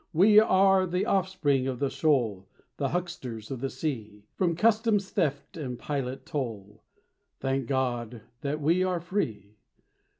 We are the offspring of the shoal, The hucksters of the sea; From customs theft and pilot toll, Thank God that we are free.